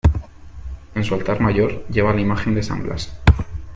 En su altar mayor, lleva la imagen de San Blas.